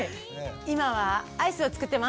今はアイスを作ってます！